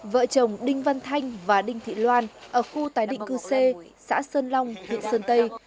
vợ chồng đinh văn thanh và đinh thị loan ở khu tái định cư c xã sơn long huyện sơn tây